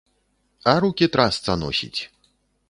А рукі трасца носіць.